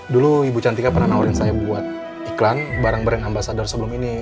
dulu ibu chantika pernah nawarin saya buat iklan barang barang ambasador sebelum ini